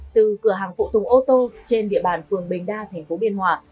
từ cửa hàng phụ tùng ô tô trên địa bàn phường bình đa thành phố biên hòa